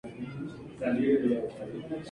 Probablemente haya otros ejemplos.